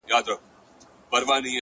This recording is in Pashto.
اوس يې صرف غزل لولم” زما لونگ مړ دی”